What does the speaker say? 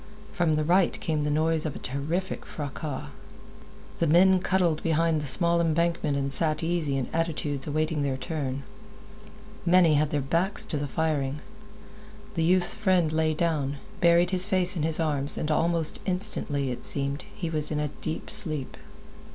From the right came the noise of a terrific fracas. The men cuddled behind the small embankment and sat in easy attitudes awaiting their turn. Many had their backs to the firing. The youth's friend lay down, buried his face in his arms, and almost instantly, it seemed, he was in a deep sleep.